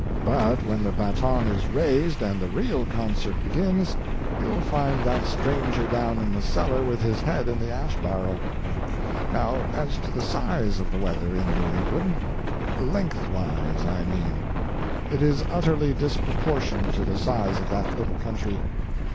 But when the baton is raised and the real concert begins, you'll find that stranger down in the cellar with his head in the ash barrel. Now as to the size of the weather in New England—lengthways, I mean. It is utterly disproportioned to the size of that little country.